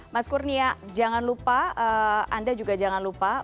mas kurnia jangan lupa anda juga jangan lupa